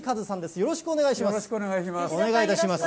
よろしくお願いします。